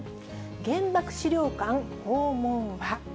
原爆資料館訪問は？